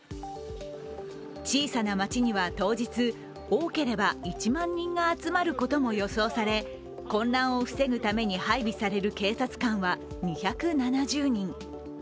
小さな街には当日、多ければ１万人が集まることも予想され、混乱を防ぐために配備される警察官は２７０人。